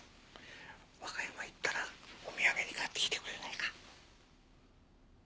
和歌山行ったらお土産に買ってきてくれないか？